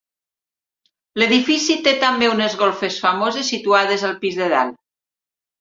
L'edifici té també unes golfes famoses situades al pis de dalt.